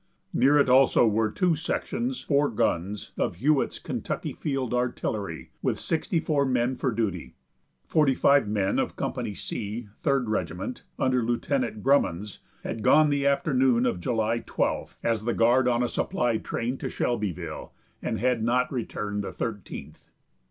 Near it, also, were two sections (four guns) of Hewitt's Kentucky Field Artillery, with sixty four men for duty. Forty five men of Company C, Third Regiment, under Lieutenant Grummons, had gone the afternoon of July 12th, as the guard on a supply train, to Shelbyville, and had not returned the thirteenth."